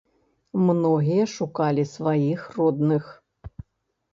Многія шукалі сваіх родных.